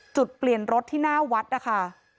จุดเปลี่ยนรถที่หน้าวัดนะคะ